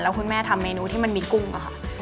คุณแม่ทำเมนูที่มันมีกุ้งอะค่ะ